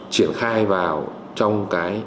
triển khai vào trong